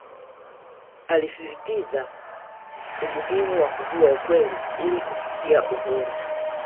Alisisitiza umuhimu wa kujua ukweli ili kufikia uhuru